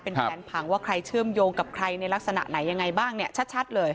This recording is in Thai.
เป็นแผนผังว่าใครเชื่อมโยงกับใครในลักษณะไหนยังไงบ้างเนี่ยชัดเลย